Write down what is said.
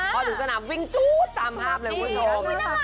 พอถึงสนามวิ่งจู๊ดตามภาพเลยคุณผู้ชม